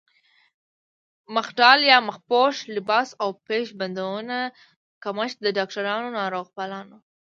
مخ ډال يا مخ پوښ، لباس او پيش بندونو کمښت د ډاکټرانو، ناروغپالانو